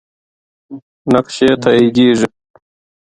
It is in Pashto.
نقش یې تاییدیږي.